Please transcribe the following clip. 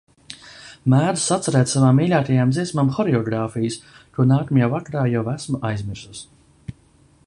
Mēdzu sacerēt savām mīļākajām dziesmām horeogrāfijas, ko nākamajā vakarā jau esmu aizmirsusi.